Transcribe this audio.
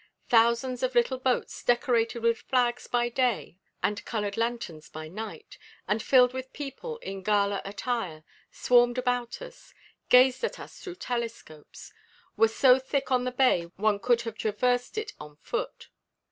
Thousands of little boats, decorated with flags by day and colored lanterns by night, and filled with people in gala attire, swarmed about us, gazed at us through telescopes, were so thick on the bay one could have traversed it on foot.